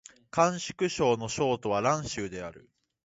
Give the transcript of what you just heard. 甘粛省の省都は蘭州である